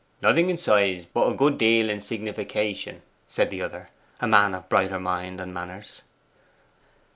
'Nothing in size, but a good deal in signification,' said the other, a man of brighter mind and manners.